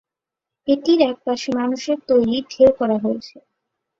এটির এক পাশে মানুষের তৈরী ঢেউ করা হয়েছে।